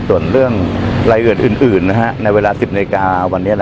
ส่วนเรื่องละเอิดอื่นในเวลา๑๐นาทีวันนี้